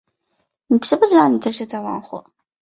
你知不知道你这是在玩火